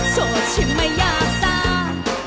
โสดชิมไหมย่าสา